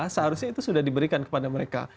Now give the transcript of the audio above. seharusnya itu sudah diberikan kepada mereka